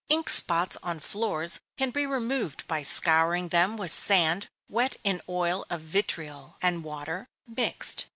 _ Ink spots on floors can be removed by scouring them with sand wet in oil of vitriol, and water, mixed.